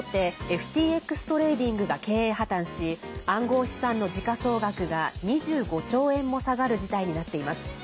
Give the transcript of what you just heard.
ＦＴＸトレーディングが経営破綻し暗号資産の時価総額が２５兆円も下がる事態になっています。